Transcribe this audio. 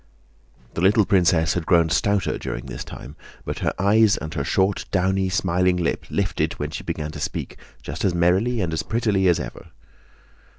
The little princess had grown stouter during this time, but her eyes and her short, downy, smiling lip lifted when she began to speak just as merrily and prettily as ever.